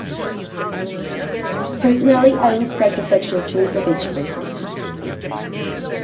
Personally, I respect the sexual choice of each person.